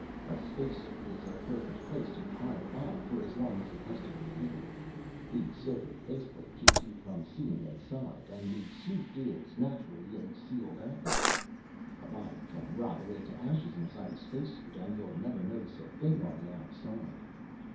A space suit is a perfect place to hide a body, for as long as it has to be hid. The silvered faceplate keeps you from seeing inside, and the suit is, naturally, a sealed atmosphere. A body can rot away to ashes inside a space suit, and you'll never notice a thing on the outside.